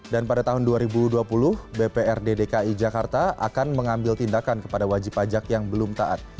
dan pada tahun dua ribu dua puluh bprd dki jakarta akan mengambil tindakan kepada wajib pajak yang belum taat